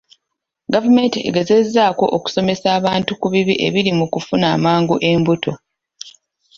Gavumenti egezaako okusomesa abantu ku bibi ebiri mu kufuna amangu embuto.